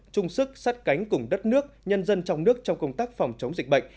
chung sức sát cánh cùng đất nước nhân dân trong nước trong công tác phòng chống dịch bệnh